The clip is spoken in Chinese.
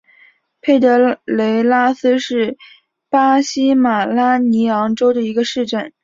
佩德雷拉斯是巴西马拉尼昂州的一个市镇。